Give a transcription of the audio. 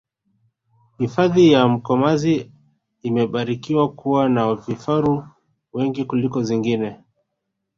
hifadhi ya mkomazi imebarikiwa kuwa na vifaru wengi kuliko zingine